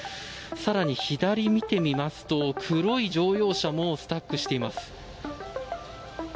更に、左見てみますと黒い乗用車もスタックしています。